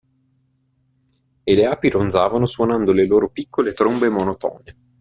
E le api ronzavano suonando le loro piccole trombe monotone.